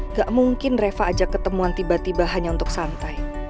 nggak mungkin reva aja ketemuan tiba tiba hanya untuk santai